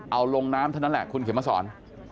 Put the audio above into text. เอาลงน้ำเท่านั้นแหละคุณเข็มมาสอน